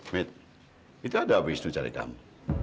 mil mita ada apa istri cari kamu